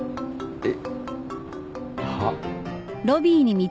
えっ？